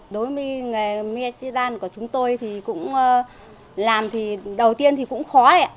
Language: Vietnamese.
đối với nghề mechidan của chúng tôi thì làm đầu tiên cũng khó